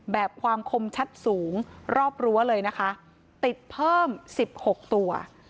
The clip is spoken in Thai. แบบความคมชัดสูงรอบรั้วเลยนะคะติดเพิ่ม๑๖ตัว